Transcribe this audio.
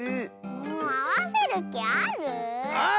もうあわせるきある？